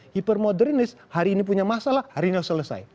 hipermodernis hari ini punya masalah hari ini harus selesai